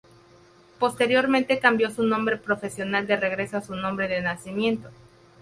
Posteriormente cambió su nombre profesional de regreso a su nombre de nacimiento.